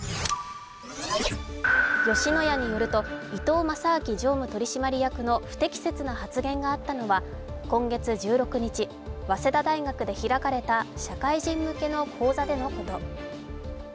吉野家によると、伊東正明常務取締役の不適切な発言があったのは今月１６日、早稲田大学で開かれた社会人向けの講座でのこと。